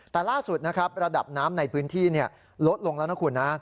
แต่ล่าสุดนะครับระดับน้ำในพื้นที่ลดลงแล้วนะคุณนะ